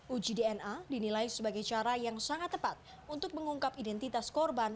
uji dna dinilai sebagai cara yang sangat tepat untuk mengungkap identitas korban